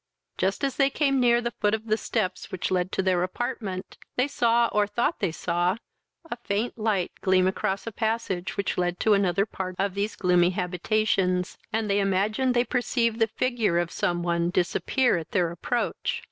Just as they came near the foot of the steps which led to their apartment, they saw, or thought they saw, a faint light gleam across a passage which led to another part of these gloomy habitations, and they imagined they perceived the figure of some one disappear at their approach.